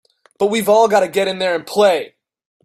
But we've all got to get in there and play!